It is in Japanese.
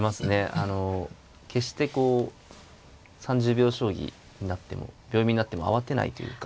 あの決してこう３０秒将棋になっても秒読みになっても慌てないというか。